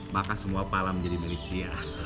maka semua pala menjadi milik dia